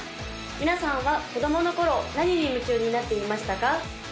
皆さんは子供の頃何に夢中になっていましたか？